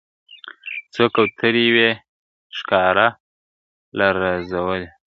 څو کوتري یې وې ښکار لره روزلي ..